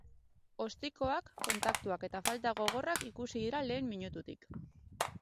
Ostikoak, kontaktuak eta falta gogorrak ikusi dira lehen minututik.